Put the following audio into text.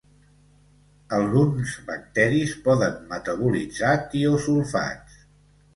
Alguns bacteris poden metabolitzar tiosulfats.